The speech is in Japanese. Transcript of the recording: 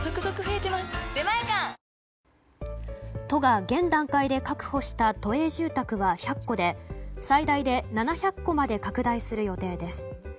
都が現段階で確保した都営住宅は１００戸で最大で７００戸まで拡大する予定です。